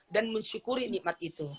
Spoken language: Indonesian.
dan mensyukuri nikmat itu